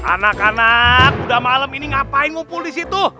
anak anak udah malam ini ngapain ngumpul di situ